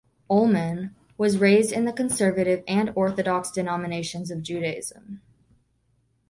Ullman was raised in the Conservative and Orthodox denominations of Judaism.